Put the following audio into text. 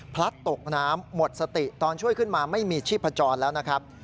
พลัดตกน้ำหมดสติตอนช่วยขึ้นมาไม่มีชีพจรแล้วนะครับ